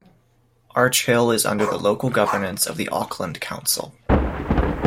Arch Hill is under the local governance of the Auckland Council.